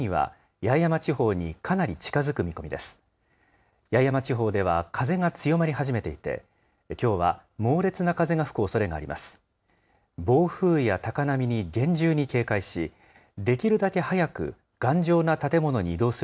八重山地方では風が強まり始めていて、きょうは猛烈な風が吹くおそれがあります。